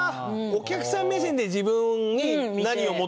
お客さん目線で自分に何を求めるか。